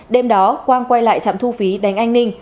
đêm đó quang quay lại trạm thu phí đánh anh ninh